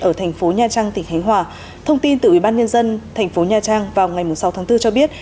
ở thành phố nha trang tỉnh hánh hòa thông tin từ ubnd thành phố nha trang vào ngày sáu tháng bốn cho biết